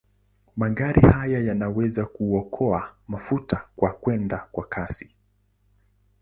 Magari haya yanaweza kuokoa mafuta na kwenda kwa kasi.